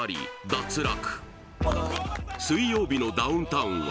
脱落